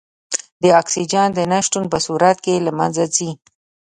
د اکسیجن د نه شتون په صورت کې له منځه ځي.